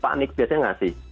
panik biasanya nggak sih